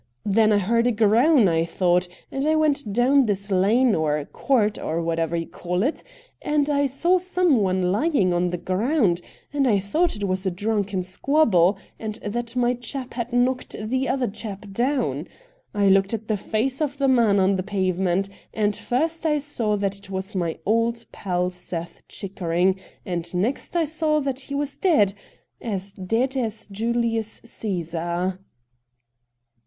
Then I heard a groan, I thought, and I went down this lane, or court, or whatever you call it, and I saw someone lying on the ground, and I thought it was a drunken squabble, and that my chap had knocked the other chap down. I looked at the face of the man on the pave ment, and first I saw that it was my old pal Seth Chickering, and next I saw that he was dead — as dead as Julius Cgesar